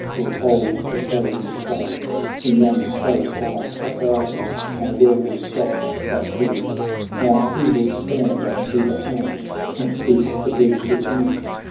Will hold the foe in play. In yon strait path a thousand May well be stopped by three. Now who will stand on either hand. And keep the bridge with me ?" 58 LAYS OF ANCIENT ROME.